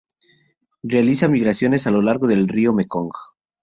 Realiza migraciones a lo largo del río Mekong.